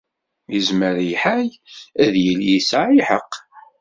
Yezmer lḥal ad yili yesɛa lḥeqq.